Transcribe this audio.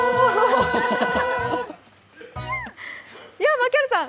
槙原さん